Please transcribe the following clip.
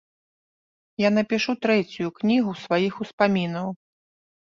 Я напішу трэцюю кнігу сваіх успамінаў.